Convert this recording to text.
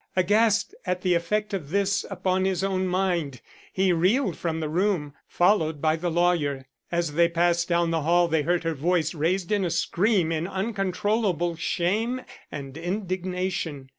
Aghast at the effect of this upon his own mind, he reeled from the room, followed by the lawyer. As they passed down the hall they heard her voice raised to a scream in uncontrollable shame and indignation.